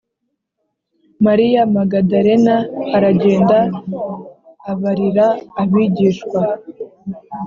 Mariya Magadalena aragenda abarira abigishwa